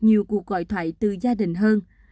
nhiều cuộc gọi thoại từ gia đình hơn